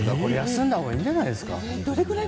休んだほうがいいんじゃないですか？